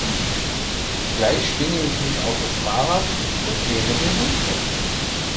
Gleich schwinge ich mich auf das Fahrrad und nehme den Hund mit.